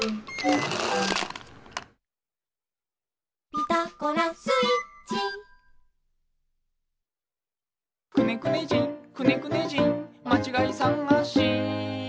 「ピタゴラスイッチ」「くねくね人くねくね人まちがいさがし」